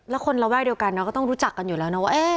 แล้วคนระแวกเดียวกันก็ต้องรู้จักกันอยู่แล้วนะว่า